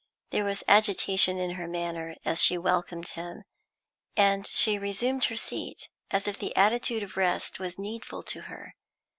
There was agitation in her manner as she welcomed him, and she resumed her seat as if the attitude of rest was needful to her.